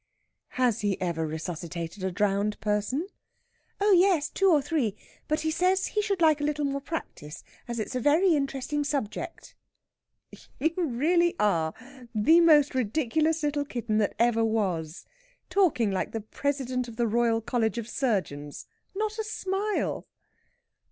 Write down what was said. "Has he ever resuscitated a drowned person?" "Oh yes, two or three. But he says he should like a little more practice, as it's a very interesting subject." "You really are the most ridiculous little kitten there ever was! Talking like the President of the Royal College of Surgeons! Not a smile."